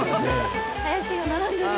「林」が並んでる。